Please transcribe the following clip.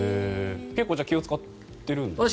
結構気を使ってるんですか。